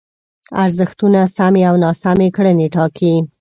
ارزښتونه سمې او ناسمې کړنې ټاکي.